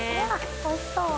おいしそう。